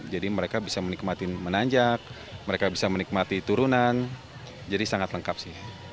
jadi mereka bisa menikmati menanjak mereka bisa menikmati turunan jadi sangat lengkap sih